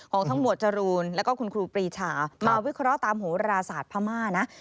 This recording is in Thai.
ของทั้งหมวดจรูนแล้วก็คุณครูปรีชามาวิเคราะห์ตามโหราศาสตร์พม่านะ